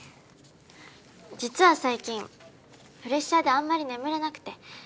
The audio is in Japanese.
実は最近プレッシャーであんまり眠れなくて。